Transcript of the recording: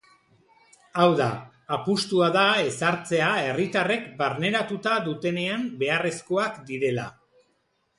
Hau da, apustua da ezartzea herritarrek barneratuta dutenean beharrezkoak direla.